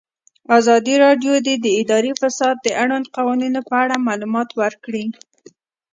ازادي راډیو د اداري فساد د اړونده قوانینو په اړه معلومات ورکړي.